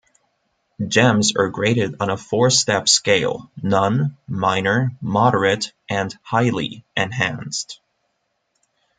Gems are graded on a four-step scale; "none", "minor", "moderate" and "highly" enhanced.